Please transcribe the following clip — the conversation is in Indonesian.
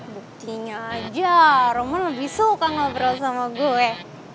buktinya aja romon lebih suka ngobrol sama gue